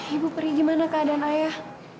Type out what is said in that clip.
ibu peri gimana keadaan ayah